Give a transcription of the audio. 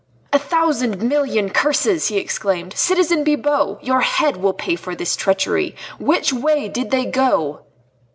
"A thousand million curses!" he exclaimed. "Citizen Bibot, your head will pay for this treachery. Which way did they go?"